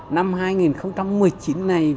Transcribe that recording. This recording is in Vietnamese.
năm hai nghìn một mươi chín này